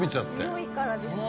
強いからですね。